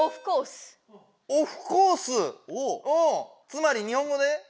つまり日本語で？